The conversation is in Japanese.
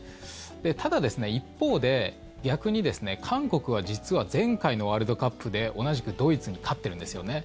ただ、一方で逆に韓国は実は前回のワールドカップで、同じくドイツに勝ってるんですよね。